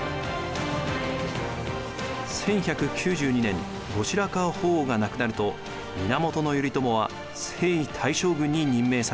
１１９２年後白河法皇が亡くなると源頼朝は征夷大将軍に任命されます。